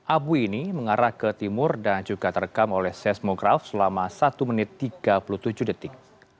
abu ini mengarah ke timur dan juga terekam oleh seismograf selama satu menit tiga puluh tujuh detik